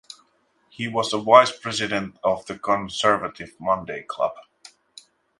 He was a Vice-President of the Conservative Monday Club.